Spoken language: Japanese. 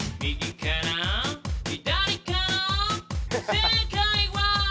「正解は」